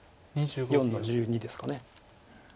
４の十二ですか。